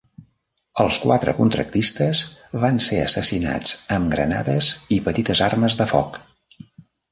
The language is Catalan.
Els quatre contractistes van ser assassinats amb granades i petites armes de foc.